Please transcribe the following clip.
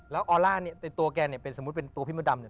แล้วออร่าเนี่ยในตัวแกเนี่ยเป็นสมมุติเป็นตัวพี่มดดำเนี่ย